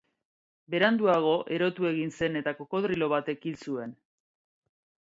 Beranduago, erotu egin zen eta krokodilo batek hil zuen.